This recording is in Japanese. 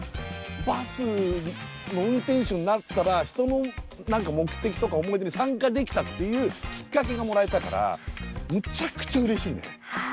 バスの運転手になったら人の目的とか思い出に参加できたっていうきっかけがもらえたからむちゃくちゃうれしいね。